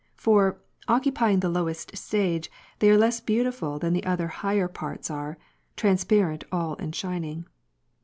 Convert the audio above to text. For, occupying the lowest stage, they are less beautiful than the other higher parts are, transparent all and shining.